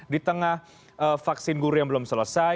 di tengah vaksin guru yang belum selesai